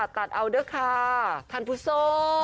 ตัดเอาเด้อค่าท่านผู้โซ่